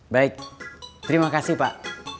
baik terimakasih pak